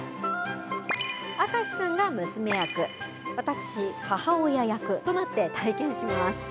明石さんが娘役、私、母親役となって、体験します。